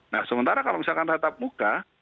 nah sementara kalau misalkan tetap muka